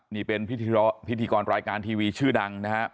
นี่เป็นพิธีกรรายการทีวีชื่อดังนะครับ